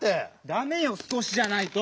ダメよ「すこし」じゃないと。